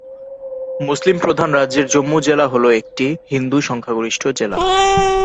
মুসলিম প্রধান রাজ্যের জম্মু জেলা হল একটি হিন্দু সংখ্যাগরিষ্ঠ জেলা।